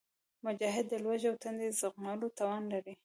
مجاهد د لوږې او تندې زغملو توان لري.